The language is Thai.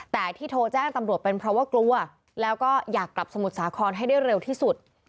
แต่ที่โทรแจ้งตำรวจเป็นเพราะว่ากลัวแล้วก็อยากกลับสมุทรสาครให้ได้เร็วที่สุด